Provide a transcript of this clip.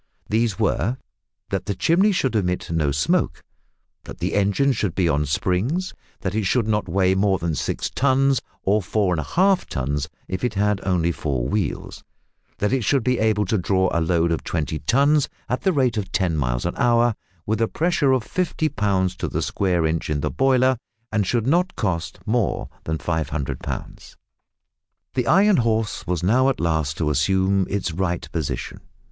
These were That the chimney should emit no smoke that the engine should be on springs that it should not weigh more than six tons, or four and a half tons if it had only four wheels that it should be able to draw a load of twenty tons at the rate of ten miles an hour, with a pressure of fifty pounds to the square inch in the boiler, and should not cost more than 500 pounds. The Iron Horse was now at last about to assume its right position.